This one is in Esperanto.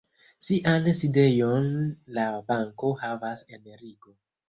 Sian sidejon la banko havas en Rigo.